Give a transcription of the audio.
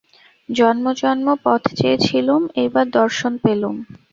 জন্ম জন্ম পথ চেয়ে ছিলুম, এইবার দর্শন পেলুম।